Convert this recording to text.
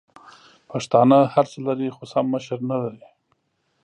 پښتانه هرڅه لري خو سم مشر نلري!